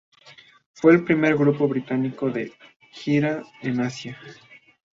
Fueron el primer grupo británico de gira en Asia.